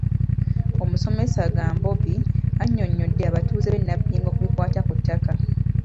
Omusomesa Gambobbi annyonnyodde abatuuze b’e Nabbingo ebikwata ku ttaka.